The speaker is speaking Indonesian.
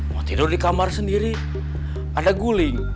mau tidur di kamar sendiri ada guling